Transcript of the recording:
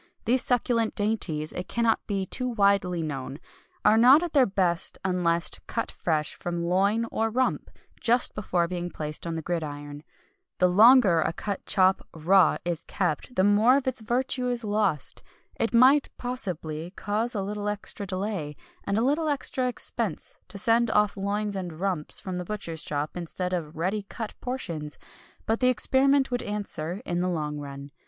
These succulent dainties, it cannot be too widely known, are not at their best unless cut fresh from loin or rump, just before being placed on the gridiron. The longer a cut chop (raw) is kept the more of its virtue is lost. It might, possibly, cause a little extra delay, and a little extra expense, to send off loins and rumps from the butcher's shop, instead of ready cut portions, but the experiment would answer, in the long run.